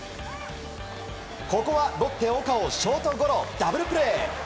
ここはロッテ、岡をショートゴロダブルプレー！